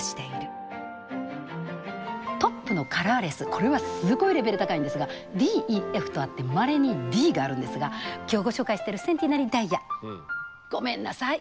これはすごいレベル高いんですがＤＥＦとあってまれにＤがあるんですが今日ご紹介しているセンティナリー・ダイヤごめんなさい